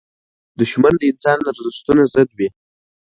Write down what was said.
دښمن د انساني ارزښتونو ضد وي